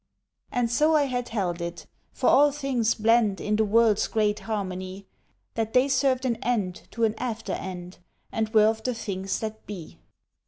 And so I had held it, for all things blend In the world's great harmony, That they served an end to an after end, And were of the things that be.